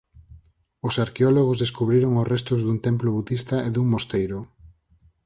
Os arqueólogos descubriron os restos dun templo budista e dun mosteiro.